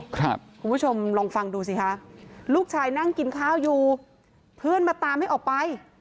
คุณผู้ชมลองฟังดูสิคะลูกชายนั่งกินข้าวอยู่เพื่อนมาตามให้ออกไป